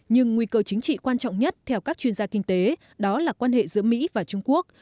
nhưng nguy cơ chính trị quan trọng nhất theo các chuyên gia kinh tế đó là quan hệ giữa mỹ và trung quốc